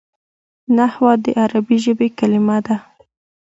نحوه د عربي ژبي کلیمه ده.